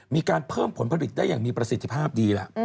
มีการเพิ่มผลผลิตได้อย่างมีประสิทธิภาพดีแล้ว